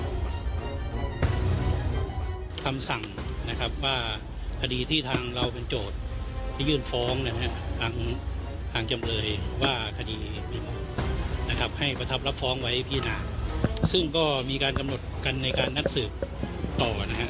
คำสั่งนะครับว่าคดีที่ทางเราเป็นโจทย์ที่ยื่นฟ้องนะฮะทางทางจำเลยว่าคดีมีมูลนะครับให้ประทับรับฟ้องไว้พินาซึ่งก็มีการกำหนดกันในการนัดสืบต่อนะฮะ